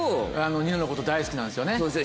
ニノのこと大好きなんですよね。